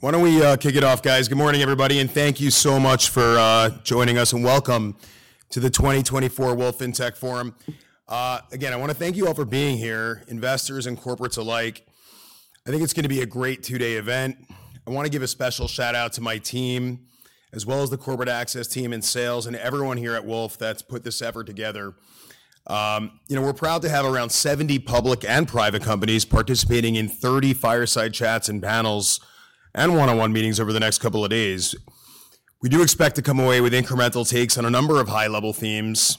Why don't we kick it off, guys? Good morning, everybody, and thank you so much for joining us. Welcome to the 2024 Wolfe FinTech Forum. Again, I want to thank you all for being here, investors and corporates alike. I think it's going to be a great two-day event. I want to give a special shout-out to my team, as well as the corporate access team and sales, and everyone here at Wolfe that's put this effort together. You know, we're proud to have around 70 public and private companies participating in 30 fireside chats and panels and one-on-one meetings over the next couple of days. We do expect to come away with incremental takes on a number of high-level themes,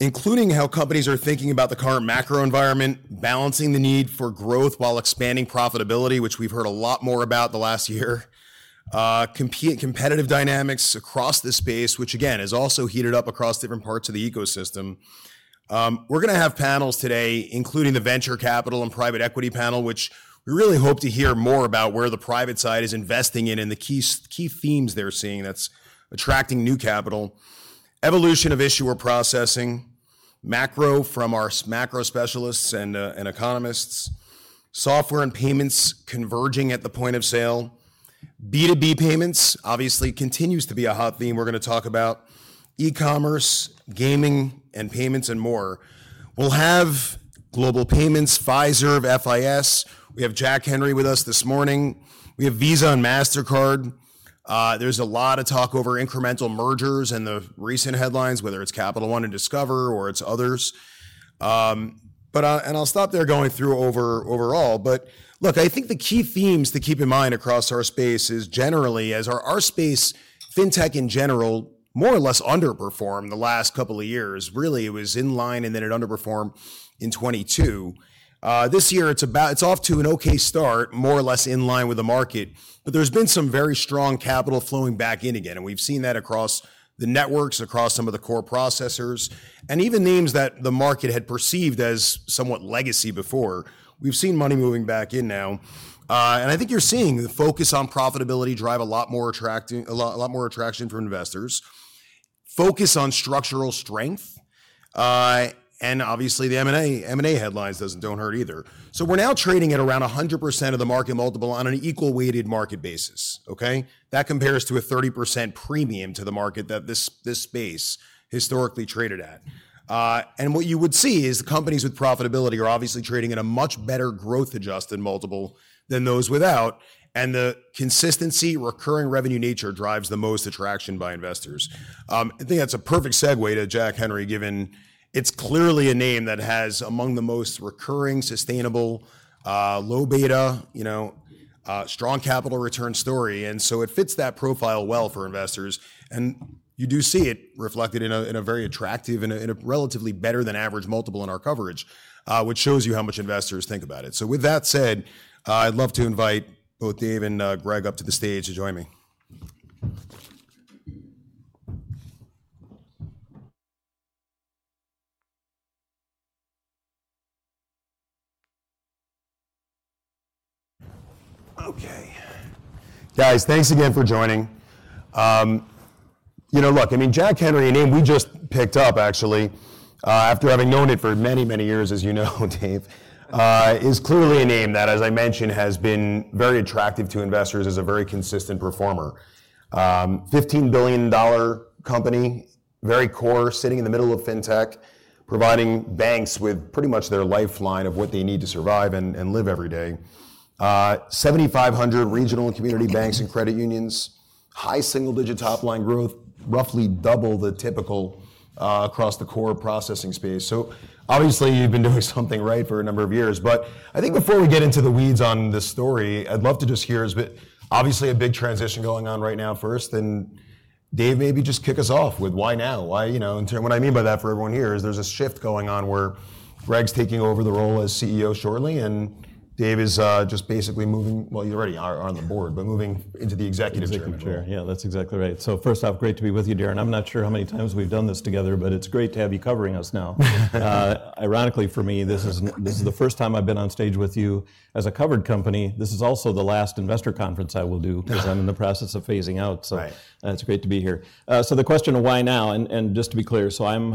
including how companies are thinking about the current macro environment, balancing the need for growth while expanding profitability, which we've heard a lot more about the last year, competitive dynamics across this space, which, again, has also heated up across different parts of the ecosystem. We're going to have panels today, including the venture capital and private equity panel, which we really hope to hear more about where the private side is investing in, in the key themes they're seeing that's attracting new capital, evolution of issuer processing, macro from our macro specialists and economists, software and payments converging at the point of sale, B2B payments, obviously continues to be a hot theme we're going to talk about, e-commerce, gaming and payments, and more. We'll have Global Payments, Fiserv, FIS. We have Jack Henry with us this morning. We have Visa and Mastercard. There's a lot of talk over incremental mergers and the recent headlines, whether it's Capital One and Discover or it's others. But I'll stop there going through overall. But look, I think the key themes to keep in mind across our space is generally, as our space, FinTech in general, more or less underperformed the last couple of years. Really, it was in line and then it underperformed in 2022. This year it's off to an okay start, more or less in line with the market. But there's been some very strong capital flowing back in again, and we've seen that across the networks, across some of the core processors, and even names that the market had perceived as somewhat legacy before. We've seen money moving back in now. And I think you're seeing the focus on profitability drive a lot more attraction—a lot more attraction—from investors, focus on structural strength. And obviously the M&A headlines doesn't hurt either. So we're now trading at around 100% of the market multiple on an equal-weighted market basis. Okay? That compares to a 30% premium to the market that this space historically traded at. And what you would see is the companies with profitability are obviously trading at a much better growth-adjusted multiple than those without. And the consistency, recurring revenue nature drives the most attraction by investors. I think that's a perfect segue to Jack Henry, given it's clearly a name that has among the most recurring, sustainable, low beta, you know, strong capital return story. And so it fits that profile well for investors. You do see it reflected in a very attractive, in a relatively better-than-average multiple in our coverage, which shows you how much investors think about it. So with that said, I'd love to invite both Dave and Greg up to the stage to join me. Okay, guys, thanks again for joining. You know, look, I mean, Jack Henry, a name we just picked up, actually, after having known it for many, many years, as you know, Dave, is clearly a name that, as I mentioned, has been very attractive to investors as a very consistent performer. $15 billion company, very core, sitting in the middle of FinTech, providing banks with pretty much their lifeline of what they need to survive and live every day. 7,500 regional community banks and credit unions, high single-digit top-line growth, roughly double the typical, across the core processing space. So obviously you've been doing something right for a number of years. But I think before we get into the weeds on this story, I'd love to just hear is that obviously a big transition going on right now first. And Dave, maybe just kick us off with why now? Why, you know, in term what I mean by that for everyone here is there's a shift going on where Greg's taking over the role as CEO shortly, and Dave is, just basically moving well, you already are on the board, but moving into the executive chairman. Executive chair. Yeah, that's exactly right. So first off, great to be with you, Darrin. I'm not sure how many times we've done this together, but it's great to have you covering us now. Ironically for me, this is this is the first time I've been on stage with you as a covered company. This is also the last investor conference I will do because I'm in the process of phasing out. So it's great to be here. So the question of why now and and just to be clear, so I'm,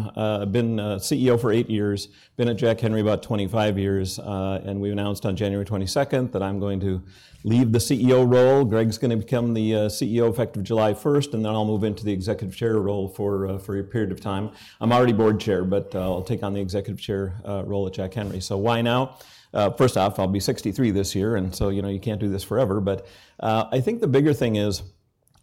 been, CEO for eight years, been at Jack Henry about 25 years. And we announced on January 22nd that I'm going to leave the CEO role. Greg's going to become the, CEO effective July 1st, and then I'll move into the executive chair role for, for a period of time. I'm already Board Chair, but I'll take on the Executive Chair role at Jack Henry. So why now? First off, I'll be 63 this year. And so, you know, you can't do this forever. But I think the bigger thing is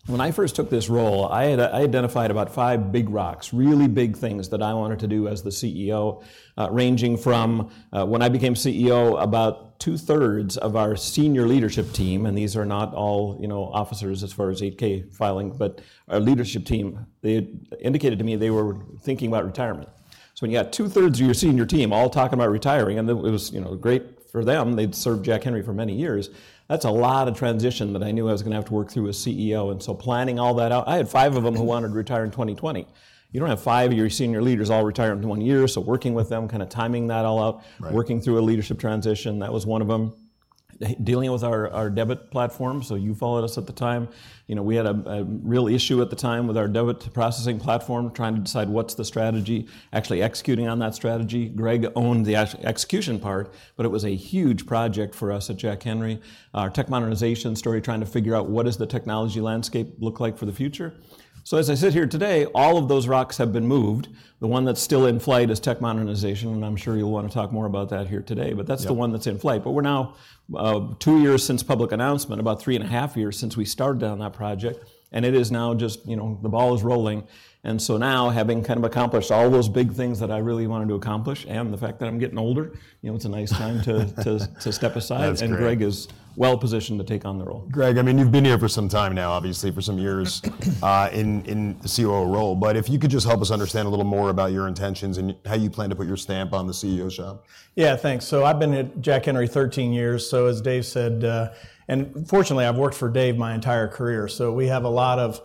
when I first took this role, I had identified about five big rocks, really big things that I wanted to do as the CEO, ranging from, when I became CEO, about two-thirds of our senior leadership team and these are not all, you know, officers as far as 8-K filing, but our leadership team, they indicated to me they were thinking about retirement. So when you got two-thirds of your senior team all talking about retiring, and it was, you know, great for them. They'd served Jack Henry for many years. That's a lot of transition that I knew I was going to have to work through as CEO. So planning all that out, I had five of them who wanted to retire in 2020. You don't have five of your senior leaders all retiring in one year. So working with them, kind of timing that all out, working through a leadership transition, that was one of them. Dealing with our debit platform. So you followed us at the time. You know, we had a real issue at the time with our debit processing platform, trying to decide what's the strategy, actually executing on that strategy. Greg owned the actual execution part, but it was a huge project for us at Jack Henry, our tech modernization story, trying to figure out what does the technology landscape look like for the future. So as I sit here today, all of those rocks have been moved. The one that's still in flight is tech modernization, and I'm sure you'll want to talk more about that here today. But that's the one that's in flight. But we're now, two years since public announcement, about 3.5 years since we started on that project. And it is now just, you know, the ball is rolling. And so now, having kind of accomplished all those big things that I really wanted to accomplish and the fact that I'm getting older, you know, it's a nice time to to step aside. And Greg is well positioned to take on the role. Greg, I mean, you've been here for some time now, obviously, for some years, in the COO role. But if you could just help us understand a little more about your intentions and how you plan to put your stamp on the CEO shop. Yeah, thanks. So I've been at Jack Henry 13 years. So as Dave said, and fortunately I've worked for Dave my entire career. So we have a lot of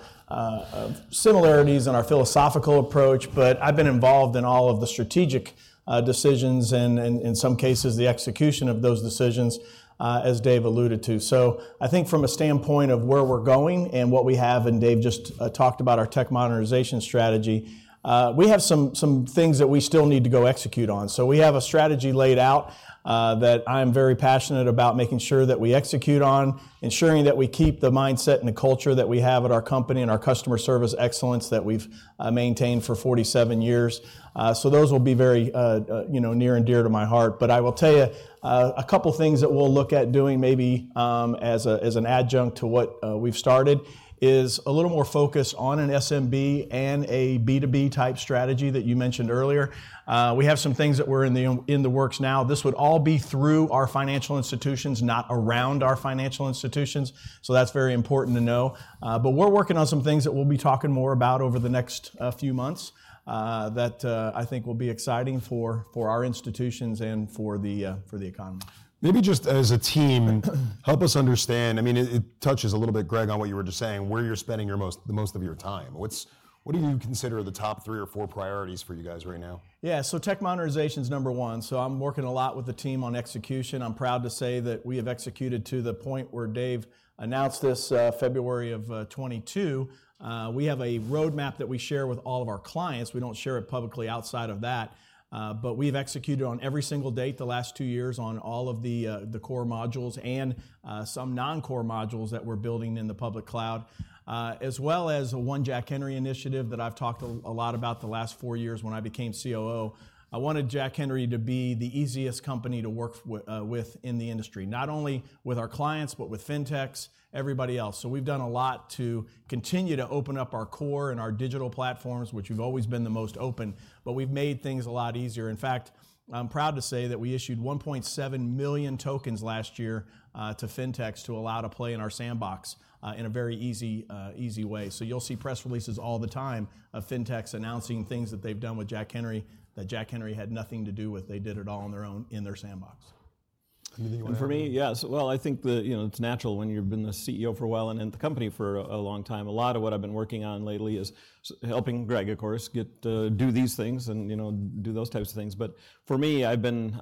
similarities in our philosophical approach. But I've been involved in all of the strategic decisions and in some cases, the execution of those decisions, as Dave alluded to. So I think from a standpoint of where we're going and what we have and Dave just talked about our tech modernization strategy, we have some things that we still need to go execute on. So we have a strategy laid out, that I am very passionate about making sure that we execute on, ensuring that we keep the mindset and the culture that we have at our company and our customer service excellence that we've maintained for 47 years. So those will be very, you know, near and dear to my heart. But I will tell you, a couple of things that we'll look at doing maybe, as a as an adjunct to what, we've started is a little more focus on an SMB and a B2B type strategy that you mentioned earlier. We have some things that we're in the in the works now. This would all be through our financial institutions, not around our financial institutions. So that's very important to know. But we're working on some things that we'll be talking more about over the next few months, that, I think will be exciting for for our institutions and for the, for the economy. Maybe just as a team, help us understand. I mean, it touches a little bit, Greg, on what you were just saying, where you're spending most of your time. What do you consider the top three or four priorities for you guys right now? Yeah, so tech modernization is number one. So I'm working a lot with the team on execution. I'm proud to say that we have executed to the point where Dave announced this February of 2022. We have a roadmap that we share with all of our clients. We don't share it publicly outside of that. But we have executed on every single date the last two years on all of the core modules and some non-core modules that we're building in the public cloud, as well as a One Jack Henry initiative that I've talked a lot about the last four years when I became COO. I wanted Jack Henry to be the easiest company to work with in the industry, not only with our clients, but with FinTechs, everybody else. So we've done a lot to continue to open up our core and our digital platforms, which have always been the most open. But we've made things a lot easier. In fact, I'm proud to say that we issued 1.7 million tokens last year, to FinTechs to allow to play in our sandbox, in a very easy, easy way. So you'll see press releases all the time of FinTechs announcing things that they've done with Jack Henry that Jack Henry had nothing to do with. They did it all on their own in their sandbox. For me, yes. Well, I think, you know, it's natural when you've been the CEO for a while and in the company for a long time. A lot of what I've been working on lately is helping Greg, of course, get to do these things and, you know, do those types of things. But for me, I've been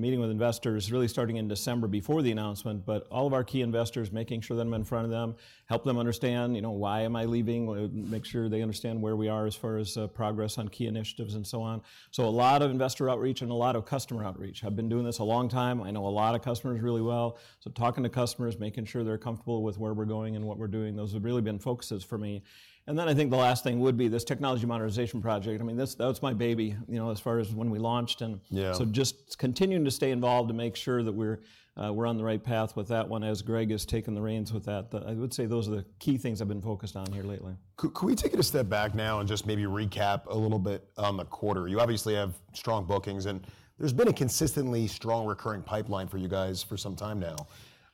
meeting with investors really starting in December before the announcement, but all of our key investors, making sure that I'm in front of them, help them understand, you know, why am I leaving, make sure they understand where we are as far as progress on key initiatives and so on. So a lot of investor outreach and a lot of customer outreach. I've been doing this a long time. I know a lot of customers really well. Talking to customers, making sure they're comfortable with where we're going and what we're doing, those have really been focuses for me. Then I think the last thing would be this technology modernization project. I mean, this that's my baby, you know, as far as when we launched. So just continuing to stay involved to make sure that we're on the right path with that one, as Greg has taken the reins with that. I would say those are the key things I've been focused on here lately. Could we take it a step back now and just maybe recap a little bit on the quarter? You obviously have strong bookings, and there's been a consistently strong recurring pipeline for you guys for some time now.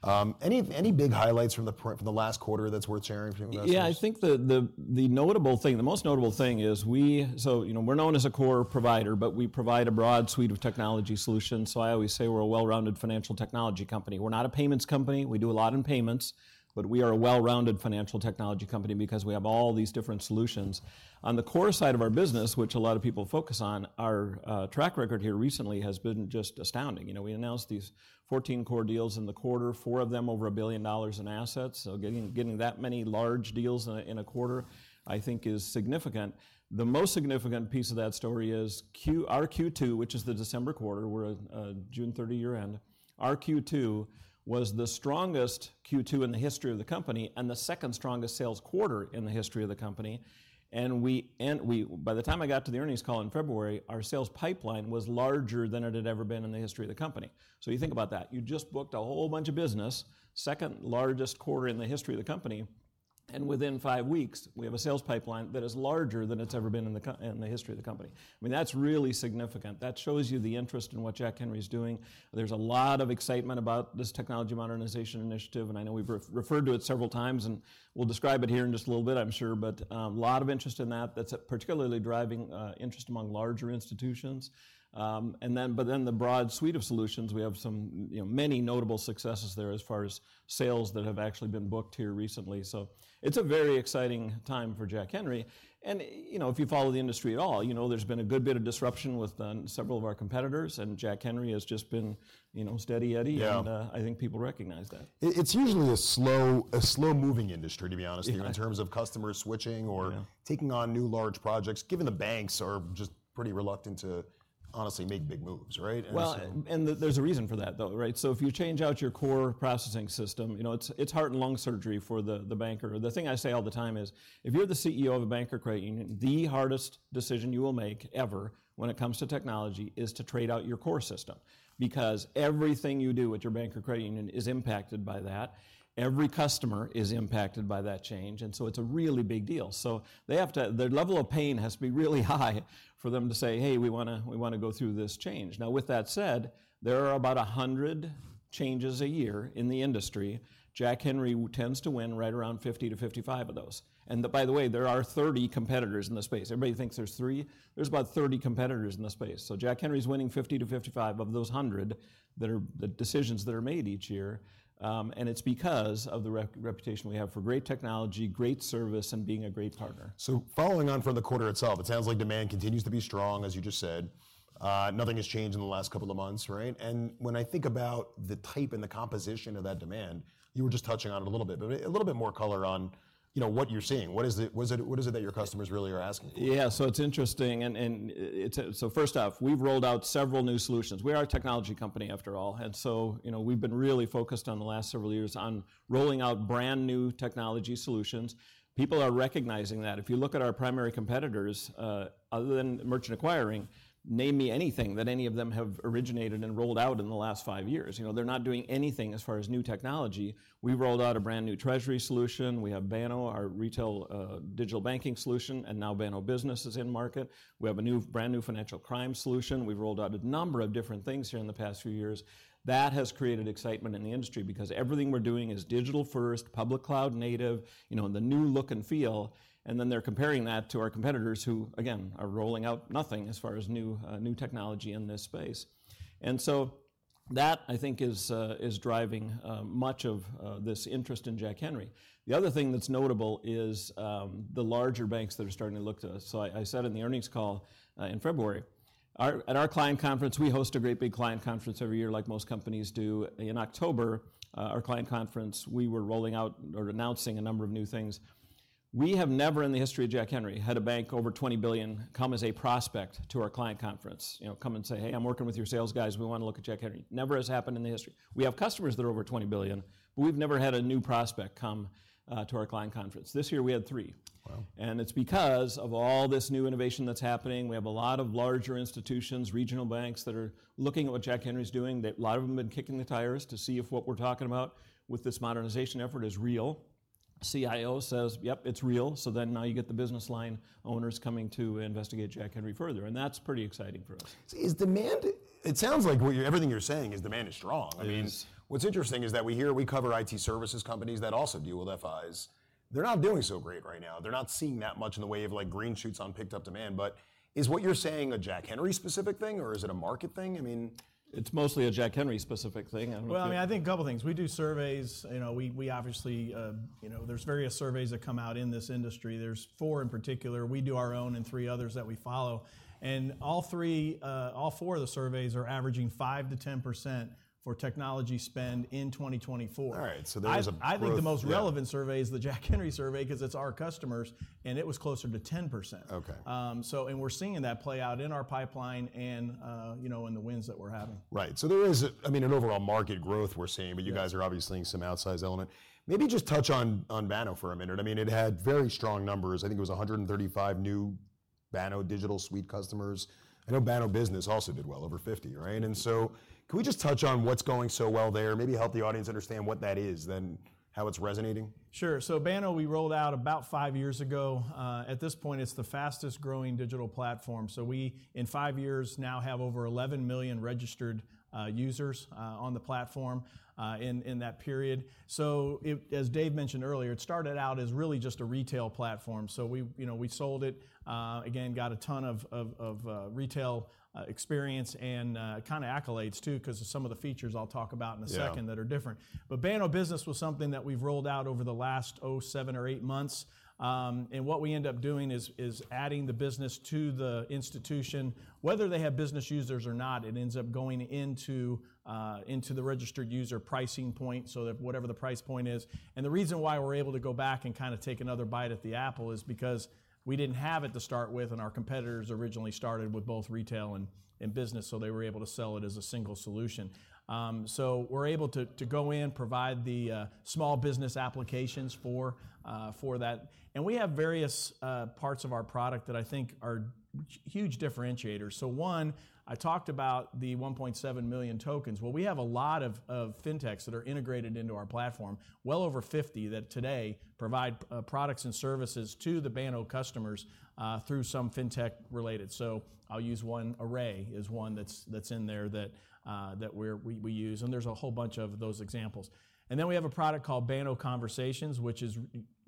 Any big highlights from the last quarter that's worth sharing for you guys? Yeah, I think the notable thing, the most notable thing is we so, you know, we're known as a core provider, but we provide a broad suite of technology solutions. So I always say we're a well-rounded financial technology company. We're not a payments company. We do a lot in payments. But we are a well-rounded financial technology company because we have all these different solutions. On the core side of our business, which a lot of people focus on, our track record here recently has been just astounding. You know, we announced these 14 core deals in the quarter, four of them over $1 billion in assets. So getting that many large deals in a quarter, I think, is significant. The most significant piece of that story is our Q2, which is the December quarter. We're at June 30 year-end. Our Q2 was the strongest Q2 in the history of the company and the second strongest sales quarter in the history of the company. And by the time I got to the earnings call in February, our sales pipeline was larger than it had ever been in the history of the company. So you think about that. You just booked a whole bunch of business, second largest quarter in the history of the company. And within five weeks, we have a sales pipeline that is larger than it's ever been in the history of the company. I mean, that's really significant. That shows you the interest in what Jack Henry is doing. There's a lot of excitement about this technology modernization initiative. And I know we've referred to it several times, and we'll describe it here in just a little bit, I'm sure. But a lot of interest in that. That's particularly driving interest among larger institutions. And then but then the broad suite of solutions, we have some, you know, many notable successes there as far as sales that have actually been booked here recently. So it's a very exciting time for Jack Henry. And, you know, if you follow the industry at all, you know, there's been a good bit of disruption with several of our competitors. And Jack Henry has just been, you know, steady Eddie. And I think people recognize that. It's usually a slow-moving industry, to be honest with you, in terms of customers switching or taking on new large projects, given the banks are just pretty reluctant to honestly make big moves, right? Well, and there's a reason for that, though, right? So if you change out your core processing system, you know, it's it's heart and lung surgery for the the banker. The thing I say all the time is, if you're the CEO of a banker credit union, the hardest decision you will make ever when it comes to technology is to trade out your core system because everything you do at your banker credit union is impacted by that. Every customer is impacted by that change. And so it's a really big deal. So they have to their level of pain has to be really high for them to say, hey, we want to we want to go through this change. Now, with that said, there are about 100 changes a year in the industry. Jack Henry tends to win right around 50-55 of those. By the way, there are 30 competitors in the space. Everybody thinks there's three. There's about 30 competitors in the space. So Jack Henry is winning 50-55 of those 100 that are the decisions that are made each year. And it's because of the reputation we have for great technology, great service, and being a great partner. Following on from the quarter itself, it sounds like demand continues to be strong, as you just said. Nothing has changed in the last couple of months, right? When I think about the type and the composition of that demand, you were just touching on it a little bit, but a little bit more color on, you know, what you're seeing. What is it? What is it that your customers really are asking for? Yeah, so it's interesting. And it's so first off, we've rolled out several new solutions. We are a technology company, after all. And so, you know, we've been really focused on the last several years on rolling out brand new technology solutions. People are recognizing that. If you look at our primary competitors, other than merchant acquiring, name me anything that any of them have originated and rolled out in the last five years. You know, they're not doing anything as far as new technology. We've rolled out a brand new treasury solution. We have Banno, our retail digital banking solution, and now Banno Business is in market. We have a new brand new financial crime solution. We've rolled out a number of different things here in the past few years. That has created excitement in the industry because everything we're doing is digital first, public cloud native, you know, in the new look and feel. And then they're comparing that to our competitors who, again, are rolling out nothing as far as new technology in this space. And so that, I think, is driving much of this interest in Jack Henry. The other thing that's notable is the larger banks that are starting to look to us. So I said in the earnings call in February, at our client conference, we host a great big client conference every year, like most companies do. In October, our client conference, we were rolling out or announcing a number of new things. We have never in the history of Jack Henry had a bank over $20 billion come as a prospect to our client conference, you know, come and say, hey, I'm working with your sales guys. We want to look at Jack Henry. Never has happened in the history. We have customers that are over $20 billion, but we've never had a new prospect come to our client conference. This year, we had three. Wow! It's because of all this new innovation that's happening. We have a lot of larger institutions, regional banks that are looking at what Jack Henry is doing. A lot of them have been kicking the tires to see if what we're talking about with this modernization effort is real. CIO says, yep, it's real. So then now you get the business line owners coming to investigate Jack Henry further. That's pretty exciting for us. So, is demand—it sounds like what you're everything you're saying is demand is strong. I mean, what's interesting is that we hear we cover IT services companies that also deal with FIs. They're not doing so great right now. They're not seeing that much in the way of like green shoots on picked up demand. But is what you're saying a Jack Henry specific thing, or is it a market thing? I mean. It's mostly a Jack Henry specific thing. I don't know. Well, I mean, I think a couple of things. We do surveys. You know, we obviously, you know, there's various surveys that come out in this industry. There's four in particular. We do our own and three others that we follow. And all three all four of the surveys are averaging 5%-10% for technology spend in 2024. All right. So there is a. I think the most relevant survey is the Jack Henry survey because it's our customers, and it was closer to 10%. So, we're seeing that play out in our pipeline and, you know, in the wins that we're having. Right. So there is, I mean, an overall market growth we're seeing. But you guys are obviously seeing some outsized element. Maybe just touch on Banno for a minute. I mean, it had very strong numbers. I think it was 135 new Banno digital suite customers. I know Banno Business also did well, over 50, right? And so can we just touch on what's going so well there, maybe help the audience understand what that is, then how it's resonating? Sure. So Banno, we rolled out about five years ago. At this point, it's the fastest growing digital platform. So we in five years now have over 11 million registered users on the platform in that period. So as Dave mentioned earlier, it started out as really just a retail platform. So we, you know, we sold it, again, got a ton of retail experience and kind of accolades too, because of some of the features I'll talk about in a second that are different. But Banno Business was something that we've rolled out over the last seven or eight months. And what we end up doing is adding the business to the institution, whether they have business users or not, it ends up going into the registered user pricing point. So whatever the price point is. The reason why we're able to go back and kind of take another bite at the apple is because we didn't have it to start with, and our competitors originally started with both retail and business. So they were able to sell it as a single solution. So we're able to go in, provide the small business applications for that. And we have various parts of our product that I think are huge differentiators. So one, I talked about the 1.7 million tokens. Well, we have a lot of FinTechs that are integrated into our platform, well over 50 that today provide products and services to the Banno customers through some FinTech related. So I'll use one Array is one that's in there that we use. And there's a whole bunch of those examples. And then we have a product called Banno Conversations, which is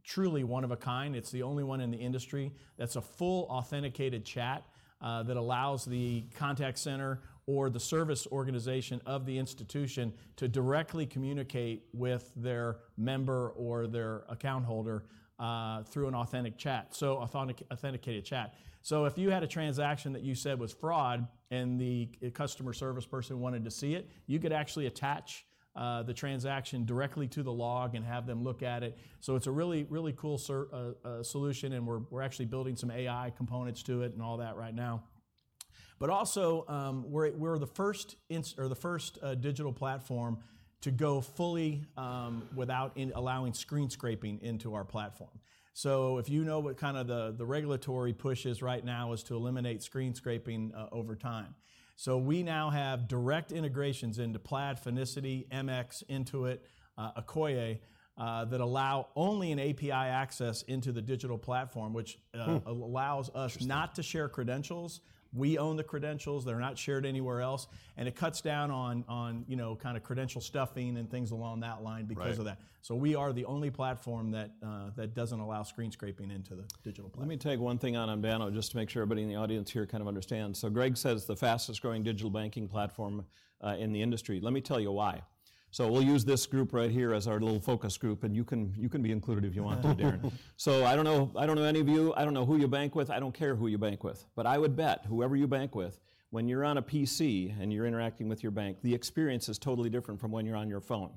truly one of a kind. It's the only one in the industry that's a full authenticated chat that allows the contact center or the service organization of the institution to directly communicate with their member or their account holder through an authentic chat, so authenticated chat. So if you had a transaction that you said was fraud and the customer service person wanted to see it, you could actually attach the transaction directly to the log and have them look at it. So it's a really, really cool solution. And we're actually building some AI components to it and all that right now. But also, we're the first digital platform to go fully without allowing screen scraping into our platform. So if you know what kind of the regulatory push is right now is to eliminate screen scraping over time. So we now have direct integrations into Plaid, Finicity, MX, Intuit, Akoya, that allow only an API access into the digital platform, which allows us not to share credentials. We own the credentials. They're not shared anywhere else. And it cuts down on, you know, kind of credential stuffing and things along that line because of that. So we are the only platform that that doesn't allow screen scraping into the digital platform. Let me take one thing on Banno just to make sure everybody in the audience here kind of understands. So Greg says the fastest growing digital banking platform in the industry. Let me tell you why. So we'll use this group right here as our little focus group. And you can be included if you want to, Darren. So I don't know. I don't know any of you. I don't know who you bank with. I don't care who you bank with. But I would bet whoever you bank with, when you're on a PC and you're interacting with your bank, the experience is totally different from when you're on your phone,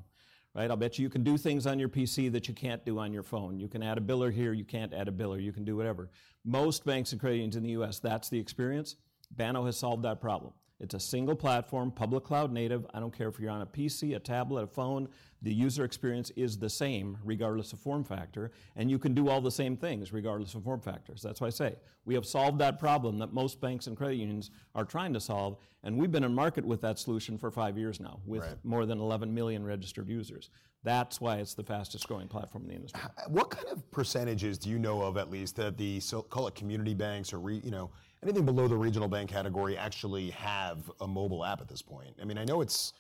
right? I'll bet you can do things on your PC that you can't do on your phone. You can add a biller here. You can't add a biller. You can do whatever. Most banks and credit unions in the U.S., that's the experience. Banno has solved that problem. It's a single platform, public cloud native. I don't care if you're on a PC, a tablet, a phone. The user experience is the same regardless of form factor. And you can do all the same things regardless of form factors. That's why I say we have solved that problem that most banks and credit unions are trying to solve. And we've been in market with that solution for five years now with more than 11 million registered users. That's why it's the fastest growing platform in the industry. What kind of percentages do you know of, at least, that the so-called community banks or, you know, anything below the regional bank category actually have a mobile app at this point? I mean, I know it's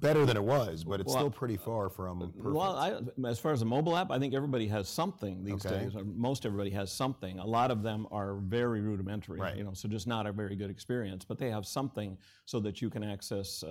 better than it was, but it's still pretty far from. Well, as far as a mobile app, I think everybody has something these days. Most everybody has something. A lot of them are very rudimentary, you know, so just not a very good experience. But they have something so that you can access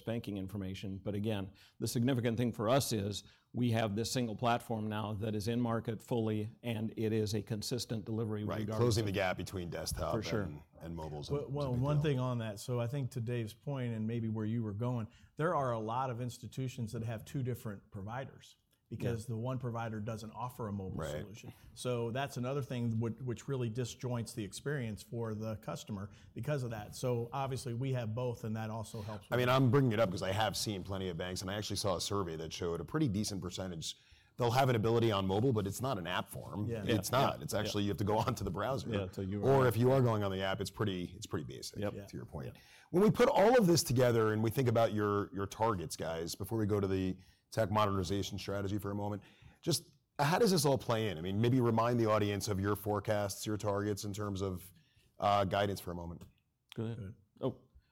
banking information. But again, the significant thing for us is we have this single platform now that is in market fully, and it is a consistent delivery regardless. Closing the gap between desktop and mobiles. Well, one thing on that. So I think to Dave's point and maybe where you were going, there are a lot of institutions that have two different providers because the one provider doesn't offer a mobile solution. So that's another thing which really disjoints the experience for the customer because of that. So obviously, we have both. And that also helps. I mean, I'm bringing it up because I have seen plenty of banks. And I actually saw a survey that showed a pretty decent percentage. They'll have an ability on mobile, but it's not an app form. It's not. It's actually you have to go on to the browser. Yeah. Or if you are going on the app, it's pretty basic, to your point. When we put all of this together and we think about your targets, guys, before we go to the tech modernization strategy for a moment, just how does this all play in? I mean, maybe remind the audience of your forecasts, your targets in terms of guidance for a moment. Go ahead.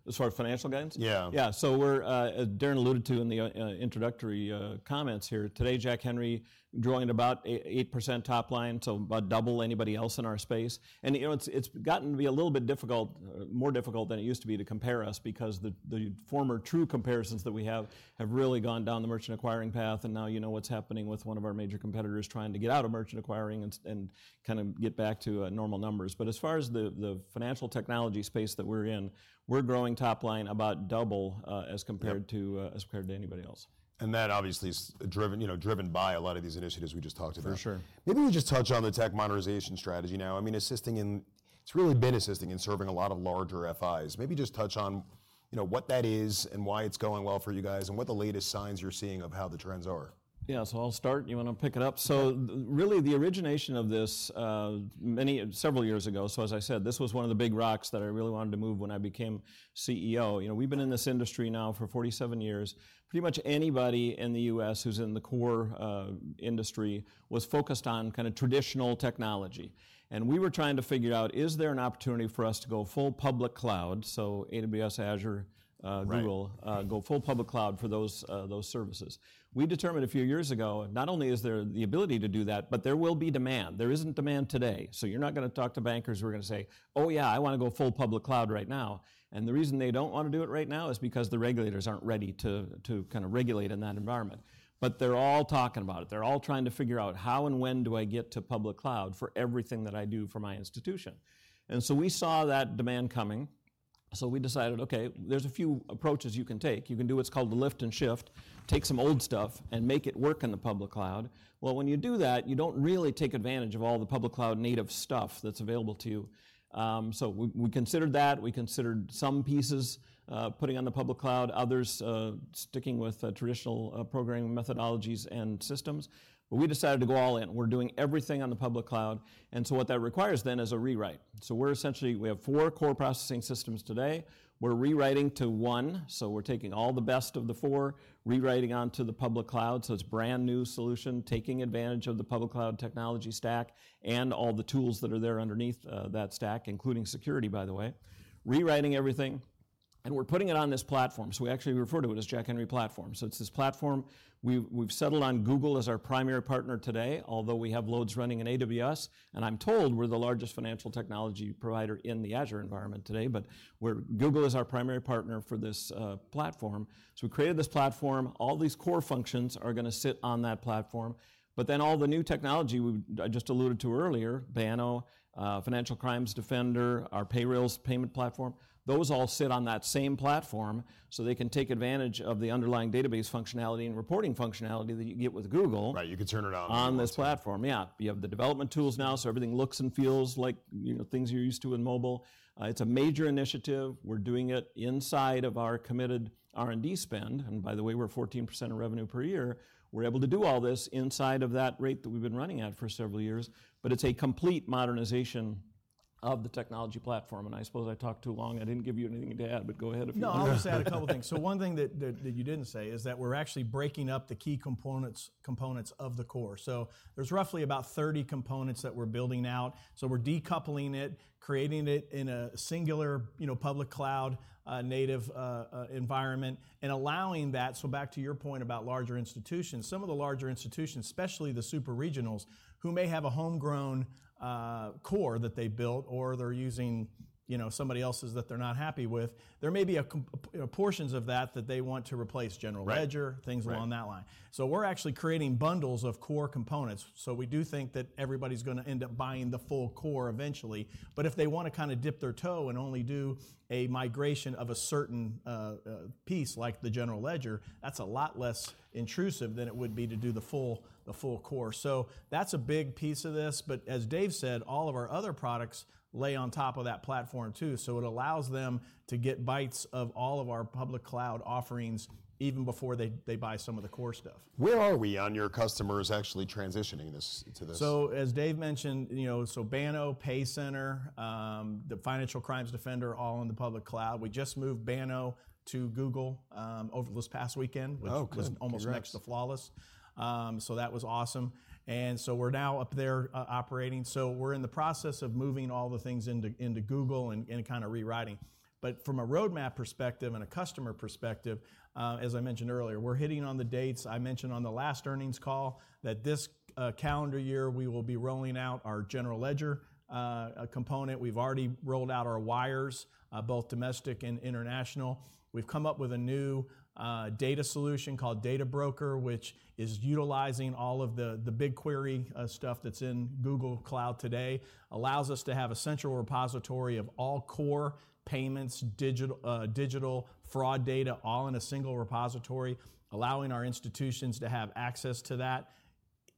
Oh, as far as financial guidance. Yeah. Yeah. So, as Darren alluded to in the introductory comments here today, Jack Henry growing at about 8% top line, so about double anybody else in our space. And, you know, it's gotten to be a little bit difficult, more difficult than it used to be to compare us because the former true comparisons that we have have really gone down the merchant acquiring path. And now, you know, what's happening with one of our major competitors trying to get out of merchant acquiring and kind of get back to normal numbers. But as far as the financial technology space that we're in, we're growing top line about double as compared to as compared to anybody else. And that obviously is driven, you know, driven by a lot of these initiatives we just talked about. Maybe we just touch on the tech modernization strategy now. I mean, assisting in it's really been assisting in serving a lot of larger FIs. Maybe just touch on, you know, what that is and why it's going well for you guys and what the latest signs you're seeing of how the trends are. Yeah. So I'll start. You want to pick it up? So really, the origination of this many several years ago. So as I said, this was one of the big rocks that I really wanted to move when I became CEO. You know, we've been in this industry now for 47 years. Pretty much anybody in the U.S. who's in the core industry was focused on kind of traditional technology. And we were trying to figure out, is there an opportunity for us to go full public cloud? So AWS, Azure, Google, go full public cloud for those those services. We determined a few years ago, not only is there the ability to do that, but there will be demand. There isn't demand today. So you're not going to talk to bankers. We're going to say, oh, yeah, I want to go full public cloud right now. The reason they don't want to do it right now is because the regulators aren't ready to kind of regulate in that environment. But they're all talking about it. They're all trying to figure out how and when do I get to public cloud for everything that I do for my institution. And so we saw that demand coming. So we decided, OK, there's a few approaches you can take. You can do what's called the lift and shift, take some old stuff and make it work in the public cloud. Well, when you do that, you don't really take advantage of all the public cloud native stuff that's available to you. So we considered that. We considered some pieces putting on the public cloud, others sticking with traditional programming methodologies and systems. But we decided to go all in. We're doing everything on the public cloud. And so, what that requires then is a rewrite. So we're essentially, we have four core processing systems today. We're rewriting to one. So we're taking all the best of the four, rewriting onto the public cloud. So it's a brand new solution, taking advantage of the public cloud technology stack and all the tools that are there underneath that stack, including security, by the way, rewriting everything. And we're putting it on this platform. So we actually refer to it as Jack Henry Platform. So it's this platform. We've settled on Google as our primary partner today, although we have loads running in AWS. And I'm told we're the largest financial technology provider in the Azure environment today. But Google is our primary partner for this platform. So we created this platform. All these core functions are going to sit on that platform. But then all the new technology we just alluded to earlier, Banno, Financial Crimes Defender, our Payrailz payment platform, those all sit on that same platform so they can take advantage of the underlying database functionality and reporting functionality that you get with Google. Right. You can turn it on. On this platform. Yeah. You have the development tools now. So everything looks and feels like, you know, things you're used to in mobile. It's a major initiative. We're doing it inside of our committed R&D spend. And by the way, we're 14% of revenue per year. We're able to do all this inside of that rate that we've been running at for several years. But it's a complete modernization of the technology platform. And I suppose I talked too long. I didn't give you anything to add. But go ahead. No. I'll just add a couple of things. So one thing that you didn't say is that we're actually breaking up the key components of the core. So there's roughly about 30 components that we're building out. So we're decoupling it, creating it in a singular, you know, public cloud native environment and allowing that. So back to your point about larger institutions, some of the larger institutions, especially the super regionals who may have a homegrown core that they built or they're using, you know, somebody else's that they're not happy with, there may be portions of that that they want to replace, General Ledger, things along that line. So we're actually creating bundles of core components. So we do think that everybody's going to end up buying the full core eventually. But if they want to kind of dip their toe and only do a migration of a certain piece like the General Ledger, that's a lot less intrusive than it would be to do the full core. So that's a big piece of this. But as Dave said, all of our other products lay on top of that platform too. So it allows them to get bites of all of our public cloud offerings even before they buy some of the core stuff. Where are we on your customers actually transitioning this to this? So as Dave mentioned, you know, so Banno, PayCenter, the Financial Crimes Defender, all in the public cloud. We just moved Banno to Google over this past weekend, which was almost next to flawless. So that was awesome. And so we're now up there operating. So we're in the process of moving all the things into Google and kind of rewriting. But from a roadmap perspective and a customer perspective, as I mentioned earlier, we're hitting on the dates. I mentioned on the last earnings call that this calendar year we will be rolling out our General Ledger component. We've already rolled out our wires, both domestic and international. We've come up with a new data solution called Data Broker, which is utilizing all of the BigQuery stuff that's in Google Cloud today, allows us to have a central repository of all core payments, digital fraud data, all in a single repository, allowing our institutions to have access to that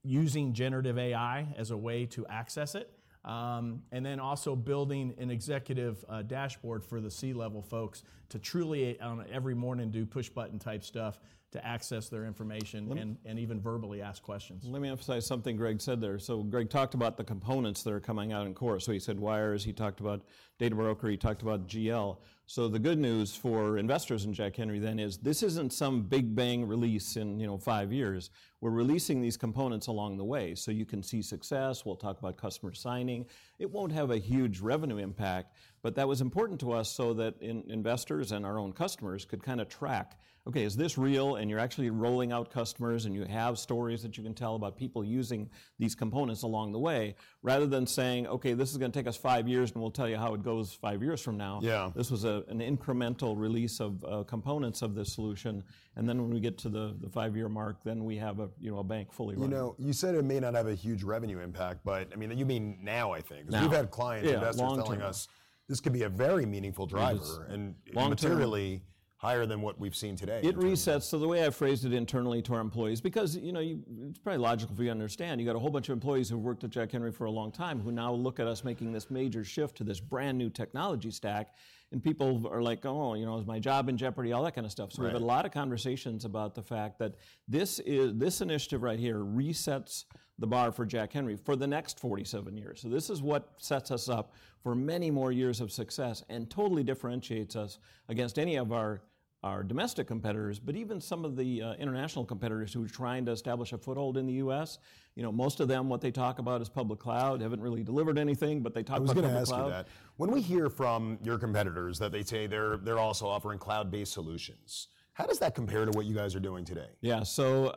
using generative AI as a way to access it, and then also building an executive dashboard for the C-level folks to truly, on every morning, do push button type stuff to access their information and even verbally ask questions. Let me emphasize something Greg said there. So Greg talked about the components that are coming out in core. So he said wires. He talked about Data Broker. He talked about GL. So the good news for investors in Jack Henry then is this isn't some big bang release in, you know, five years. We're releasing these components along the way. So you can see success. We'll talk about customer signing. It won't have a huge revenue impact. But that was important to us so that investors and our own customers could kind of track, OK, is this real? And you're actually rolling out customers. And you have stories that you can tell about people using these components along the way rather than saying, OK, this is going to take us five years. And we'll tell you how it goes five years from now. Yeah this was an incremental release of components of this solution. And then when we get to the five-year mark, then we have a, you know, a bank fully running. You know, you said it may not have a huge revenue impact. But I mean, you mean now, I think, because we've had clients, investors telling us this could be a very meaningful driver and materially higher than what we've seen today. It resets. So the way I phrased it internally to our employees, because, you know, it's probably logical for you to understand, you've got a whole bunch of employees who've worked at Jack Henry for a long time who now look at us making this major shift to this brand new technology stack. And people are like, oh, you know, is my job in jeopardy? All that kind of stuff. So we have a lot of conversations about the fact that this is this initiative right here resets the bar for Jack Henry for the next 47 years. So this is what sets us up for many more years of success and totally differentiates us against any of our our domestic competitors, but even some of the international competitors who are trying to establish a foothold in the U.S. You know, most of them, what they talk about is public cloud, haven't really delivered anything. But they talk about. I was going to ask you that. When we hear from your competitors that they say they're also offering cloud-based solutions, how does that compare to what you guys are doing today? Yeah. So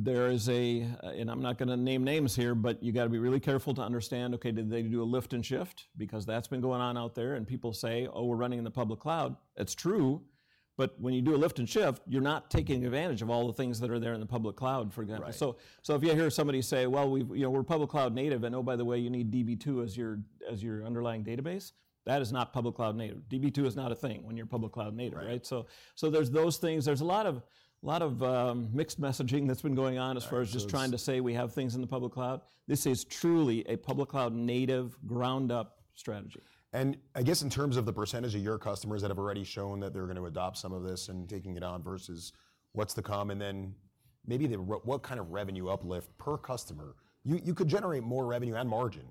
there is a and I'm not going to name names here. But you've got to be really careful to understand, OK, did they do a lift and shift? Because that's been going on out there. And people say, oh, we're running in the public cloud. It's true. But when you do a lift and shift, you're not taking advantage of all the things that are there in the public cloud, for example. So if you hear somebody say, well, we've, you know, we're public cloud native. And oh, by the way, you need DB2 as your as your underlying database, that is not public cloud native. DB2 is not a thing when you're public cloud native. Right. So there's those things. There's a lot of a lot of mixed messaging that's been going on as far as just trying to say we have things in the public cloud. This is truly a public cloud native ground up strategy. I guess in terms of the percentage of your customers that have already shown that they're going to adopt some of this and taking it on versus what's the common then maybe what kind of revenue uplift per customer you could generate more revenue and margin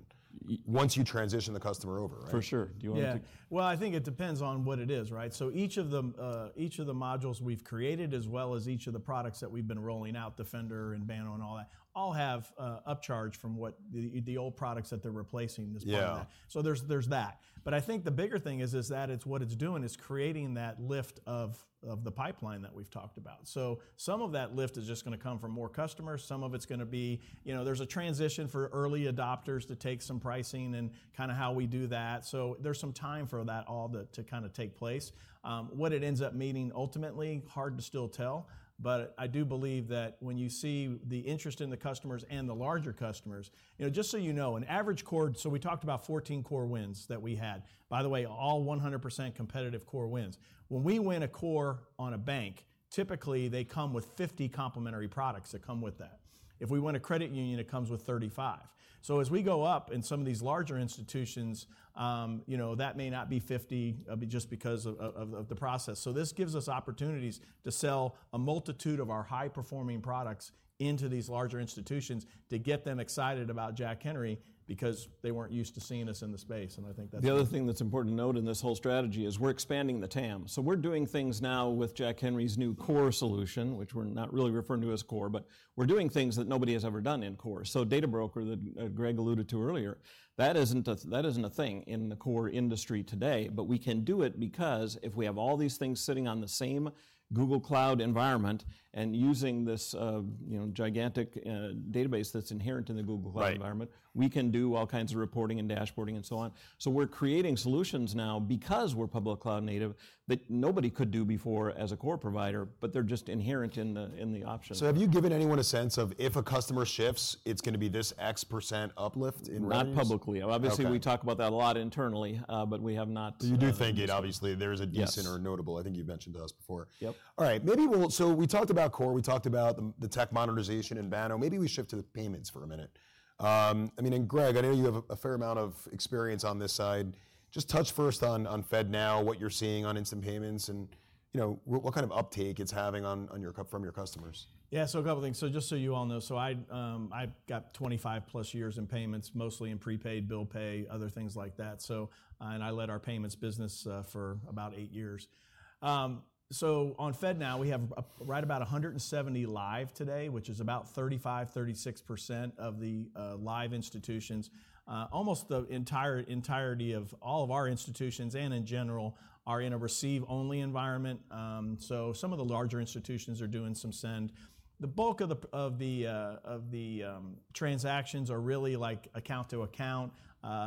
once you transition the customer over? For sure. Do you want to. Well, I think it depends on what it is. Right. So each of the each of the modules we've created, as well as each of the products that we've been rolling out, Defender and Banno and all that, all have upcharge from what the old products that they're replacing. This part of that. So there's there's that. But I think the bigger thing is is that what it's doing is creating that lift of of the pipeline that we've talked about. So some of that lift is just going to come from more customers. Some of it's going to be, you know, there's a transition for early adopters to take some pricing and kind of how we do that. So there's some time for that all to kind of take place. What it ends up meaning ultimately, hard to still tell. But I do believe that when you see the interest in the customers and the larger customers, you know, just so you know, an average core so we talked about 14 core wins that we had, by the way, all 100% competitive core wins. When we win a core on a bank, typically they come with 50 complementary products that come with that. If we win a credit union, it comes with 35. So as we go up in some of these larger institutions, you know, that may not be 50 just because of the process. So this gives us opportunities to sell a multitude of our high performing products into these larger institutions to get them excited about Jack Henry because they weren't used to seeing us in the space. And I think that's. The other thing that's important to note in this whole strategy is we're expanding the TAM. So we're doing things now with Jack Henry's new core solution, which we're not really referring to as core, but we're doing things that nobody has ever done in core. So Data Broker, that Greg alluded to earlier, that isn't a thing in the core industry today. But we can do it because if we have all these things sitting on the same Google Cloud environment and using this, you know, gigantic database that's inherent in the Google Cloud environment, we can do all kinds of reporting and dashboarding and so on. So we're creating solutions now because we're public cloud native that nobody could do before as a core provider. But they're just inherent in the option. Have you given anyone a sense of if a customer shifts, it's going to be this X% uplift in revenue? Not publicly. Obviously, we talk about that a lot internally. But we have not. But you do think it obviously there is a decent or notable. I think you've mentioned to us before. Yep. All right. Maybe we'll, so we talked about core. We talked about the tech modernization in Banno. Maybe we shift to the payments for a minute. I mean, and Greg, I know you have a fair amount of experience on this side. Just touch first on FedNow, what you're seeing on instant payments and, you know, what kind of uptake it's having from your customers. Yeah. So a couple of things. So just so you all know, so I've got 25+ years in payments, mostly in prepaid, bill pay, other things like that. So and I led our payments business for about eight years. So on FedNow, we have right about 170 live today, which is about 35%-36% of the live institutions. Almost the entire entirety of all of our institutions and in general are in a receive only environment. So some of the larger institutions are doing some send. The bulk of the of the transactions are really like account to account,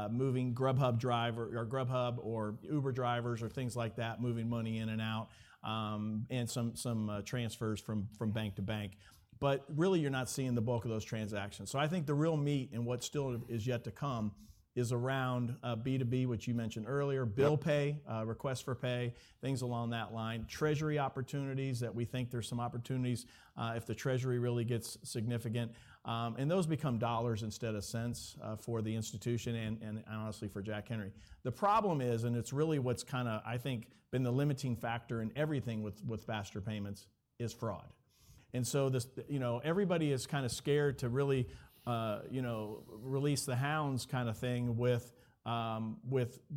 moving Grubhub driver or Grubhub or Uber drivers or things like that, moving money in and out and some transfers from bank to bank. But really, you're not seeing the bulk of those transactions. So I think the real meat and what still is yet to come is around B2B, which you mentioned earlier, bill pay, request for pay, things along that line, treasury opportunities that we think there's some opportunities if the treasury really gets significant. And those become dollars instead of cents for the institution and honestly for Jack Henry. The problem is and it's really what's kind of, I think, been the limiting factor in everything with faster payments is fraud. And so this, you know, everybody is kind of scared to really, you know, release the hounds kind of thing with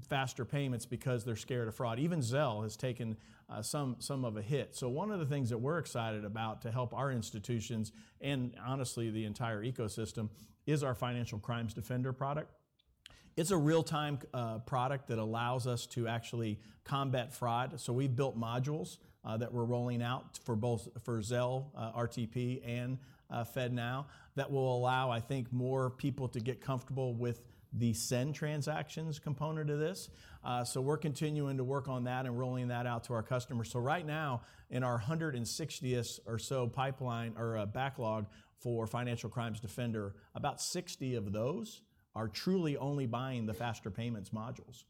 faster payments because they're scared of fraud. Even Zelle has taken some of a hit. So one of the things that we're excited about to help our institutions and honestly the entire ecosystem is our Financial Crimes Defender product. It's a real-time product that allows us to actually combat fraud. So we've built modules that we're rolling out for both for Zelle, RTP, and FedNow that will allow, I think, more people to get comfortable with the send transactions component of this. So we're continuing to work on that and rolling that out to our customers. So right now in our 160th or so pipeline or backlog for Financial Crimes Defender, about 60 of those are truly only buying the faster payments modules.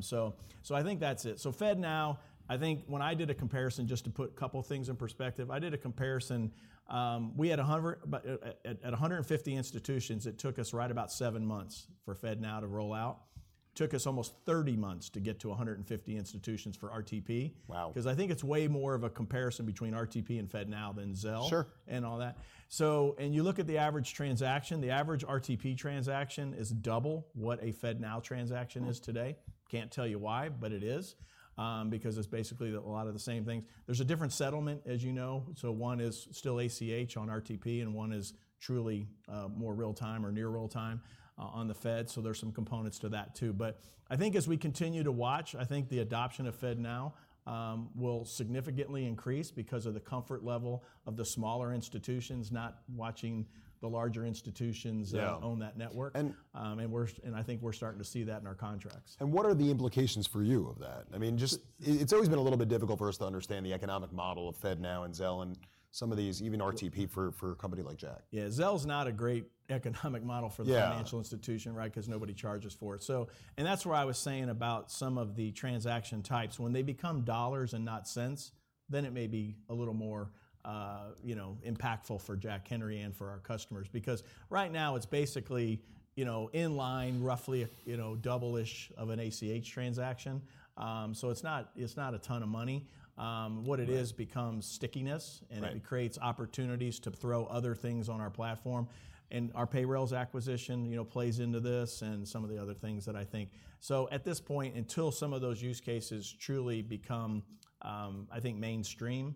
So I think that's it. So FedNow, I think when I did a comparison just to put a couple of things in perspective, I did a comparison. We had 100, but at 150 institutions, it took us right about seven months for FedNow to roll out. Took us almost 30 months to get to 150 institutions for RTP because I think it's way more of a comparison between RTP and FedNow than Zelle and all that. So and you look at the average transaction, the average RTP transaction is double what a FedNow transaction is today. Can't tell you why, but it is because it's basically a lot of the same things. There's a different settlement, as you know. So one is still ACH on RTP and one is truly more real time or near real time on the Fed. So there's some components to that too. But I think as we continue to watch, I think the adoption of FedNow will significantly increase because of the comfort level of the smaller institutions, not watching the larger institutions own that network. And we're and I think we're starting to see that in our contracts. What are the implications for you of that? I mean, just, it's always been a little bit difficult for us to understand the economic model of FedNow and Zelle and some of these, even RTP for a company like Jack. Yeah. Zelle is not a great economic model for the financial institution, right, because nobody charges for it. So and that's why I was saying about some of the transaction types, when they become dollars and not cents, then it may be a little more, you know, impactful for Jack Henry and for our customers. Because right now it's basically, you know, in line roughly, you know, double ish of an ACH transaction. So it's not it's not a ton of money. What it is becomes stickiness. And it creates opportunities to throw other things on our platform. And our payrolls acquisition, you know, plays into this and some of the other things that I think. So at this point, until some of those use cases truly become, I think, mainstream,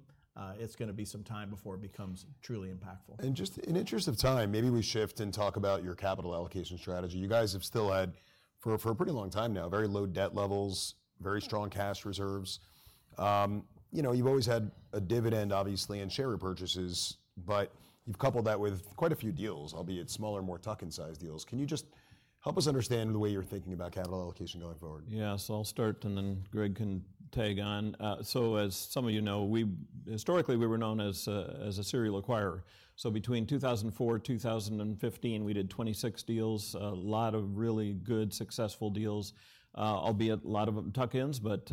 it's going to be some time before it becomes truly impactful. Just in the interest of time, maybe we shift and talk about your capital allocation strategy. You guys have still had for a pretty long time now very low debt levels, very strong cash reserves. You know, you've always had a dividend, obviously, and share repurchases. But you've coupled that with quite a few deals, albeit smaller, more tuck-in size deals. Can you just help us understand the way you're thinking about capital allocation going forward? Yeah. So I'll start and then Greg can tag on. So as some of you know, we historically were known as a serial acquirer. So between 2004, 2015, we did 26 deals, a lot of really good successful deals, albeit a lot of them tuck-ins, but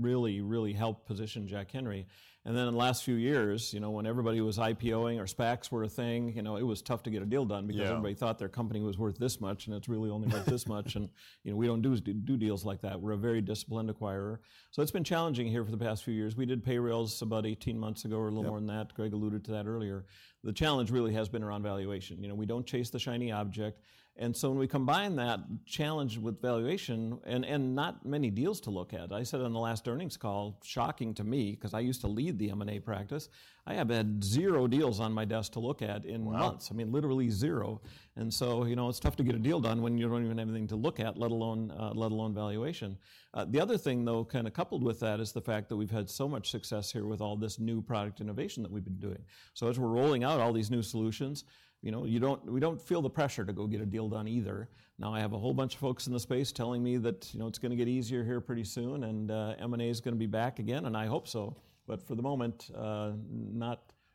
really, really helped position Jack Henry. And then in the last few years, you know, when everybody was IPOing or SPACs were a thing, you know, it was tough to get a deal done because everybody thought their company was worth this much. And it's really only worth this much. And, you know, we don't do deals like that. We're a very disciplined acquirer. So it's been challenging here for the past few years. We did payrolls about 18 months ago or a little more than that. Greg alluded to that earlier. The challenge really has been around valuation. 0You know, we don't chase the shiny object. And so when we combine that challenge with valuation and not many deals to look at, I said on the last earnings call, shocking to me because I used to lead the M&A practice, I have had zero deals on my desk to look at in months. I mean, literally zero. And so, you know, it's tough to get a deal done when you don't even have anything to look at, let alone valuation. The other thing, though, kind of coupled with that is the fact that we've had so much success here with all this new product innovation that we've been doing. So as we're rolling out all these new solutions, you know, we don't feel the pressure to go get a deal done either. Now, I have a whole bunch of folks in the space telling me that, you know, it's going to get easier here pretty soon and M&A is going to be back again. And I hope so. But for the moment,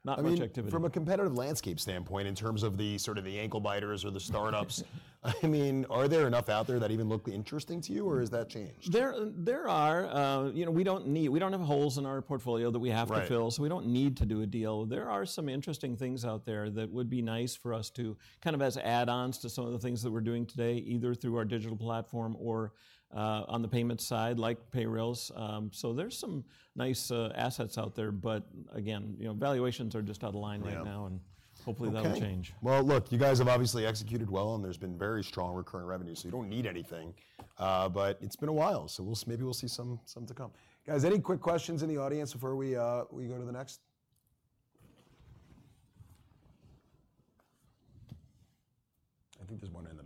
not much activity. From a competitive landscape standpoint, in terms of the sort of the ankle biters or the startups, I mean, are there enough out there that even look interesting to you or has that changed? There are. You know, we don't have holes in our portfolio that we have to fill. So we don't need to do a deal. There are some interesting things out there that would be nice for us to kind of as add-ons to some of the things that we're doing today, either through our digital platform or on the payments side, like payrolls. So there's some nice assets out there. But again, you know, valuations are just out of line right now. And hopefully that will change. Well, look, you guys have obviously executed well and there's been very strong recurring revenue. So you don't need anything. But it's been a while. So maybe we'll see some to come. Guys, any quick questions in the audience before we go to the next? I think there's one in the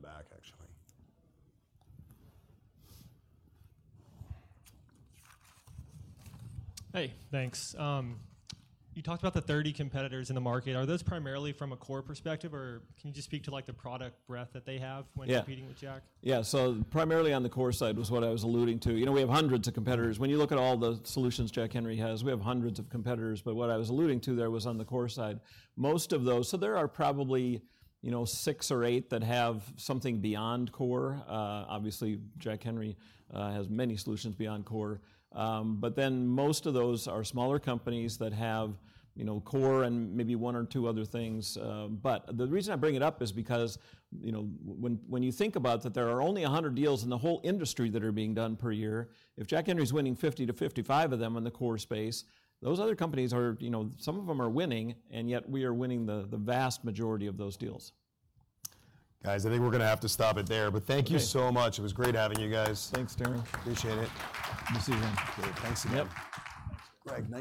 back, actually. Hey, thanks. You talked about the 30 competitors in the market. Are those primarily from a core perspective or can you just speak to like the product breadth that they have when competing with Jack? Yeah. So primarily on the core side was what I was alluding to. You know, we have hundreds of competitors. When you look at all the solutions Jack Henry has, we have hundreds of competitors. But what I was alluding to there was on the core side, most of those. So there are probably, you know, six or eigh that have something beyond core. Obviously, Jack Henry has many solutions beyond core. But then most of those are smaller companies that have, you know, core and maybe one or two other things. But the reason I bring it up is because, you know, when you think about that, there are only 100 deals in the whole industry that are being done per year. If Jack Henry is winning 50-55 of them in the core space, those other companies are, you know, some of them are winning. And yet we are winning the vast majority of those deals. Guys, I think we're going to have to stop it there. But thank you so much. It was great having you guys. Thanks, Darin. Appreciate it. See you then. Thanks again. Yep. Greg.